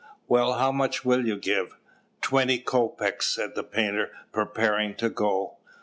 "Well, how much will you give?" "Twenty kopeks," said the painter, preparing to go.